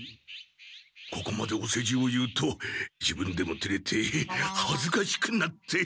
ここまでおせじを言うと自分でもてれてはずかしくなって。